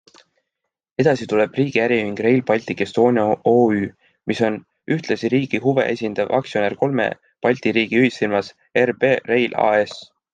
Edasi tuleb riigi äriühing Rail Baltic Estonia OÜ, mis on ühtlasi riigi huve esindav aktsionär kolme Balti riigi ühisfirmas RB Rail AS.